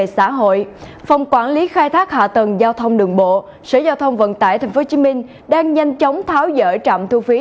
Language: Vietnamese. giao thông đường bộ sở giao thông vận tải tp hcm đang nhanh chóng tháo dỡ trạm thu phí